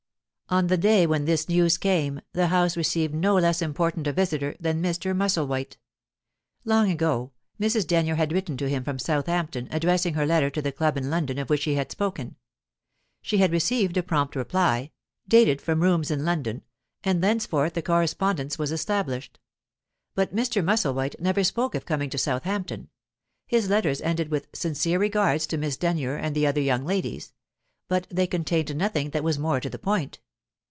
On the day when this news came, the house received no less important a visitor than Mr. Musselwhite. Long ago, Mrs. Denyer had written to him from Southampton, addressing her letter to the club in London of which he had spoken; she had received a prompt reply, dated from rooms in London, and thenceforth the correspondence was established. But Mr. Musselwhite never spoke of coming to Southampton; his letters ended with "Sincere regards to Miss Denyer and the other young ladies," but they contained nothing that was more to the point.